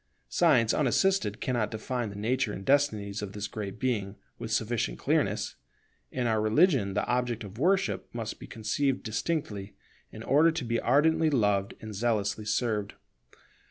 Science unassisted cannot define the nature and destinies of this Great Being with sufficient clearness. In our religion the object of worship must be conceived distinctly, in order to be ardently loved and zealously served.